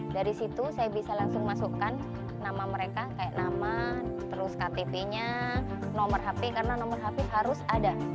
dari situ saya bisa langsung masukkan nama mereka kayak nama terus ktp nya nomor hp karena nomor hp harus ada